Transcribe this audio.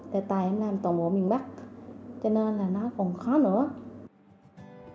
tại tại em làm tổng bộ miền bắc cho nên là nó còn khó nữa